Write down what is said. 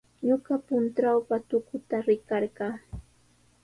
Ñuqa puntrawpa tukuta rikarqaa.